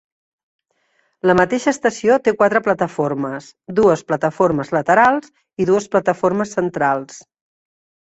La mateixa estació té quatre plataformes: dues plataformes laterals i dues plataformes centrals.